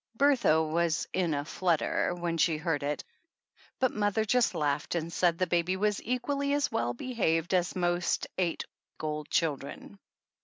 Bertha was in a flutter when she heard it, but mother just laughed and said the baby was equally as well behaved as most eight weeks old children.